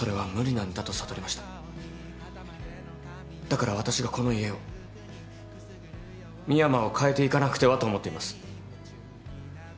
だから私がこの家を深山を変えていかなくてはと思っています。